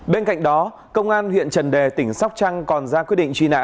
bên cạnh đó công an huyện trần đề tỉnh sóc trăng còn ra quyết định truy nã